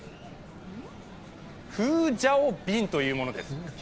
フージャオビンというものです。